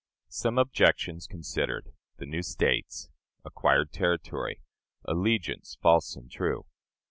Some Objections considered. The New States. Acquired Territory. Allegiance, false and true.